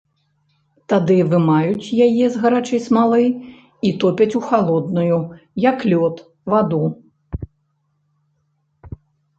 Тады вымаюць яе з гарачай смалы і топяць у халодную, як лёд, ваду.